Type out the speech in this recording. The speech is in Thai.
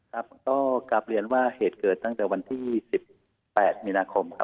ก็กลับเรียนว่าเหตุเกิดตั้งแต่วันที่๑๘มินาคม